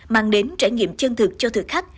mang đến trải nghiệm chân thực cho thực khách